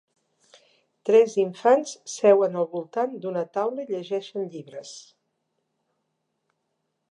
Tres infants seuen al voltant d'una taula i llegeixen llibres.